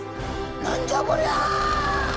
何じゃこりゃ！？